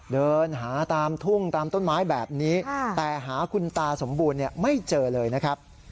เดินหาตามทุ่งตามต้นไม้แบบนี้แต่หาคุณตาสมบูรณ์ไม่เจอเลยนะครับ